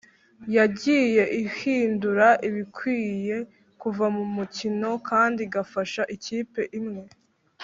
yagiye ihindura ibikwiye kuva mu mukino kandi igafasha ikipe imwe.”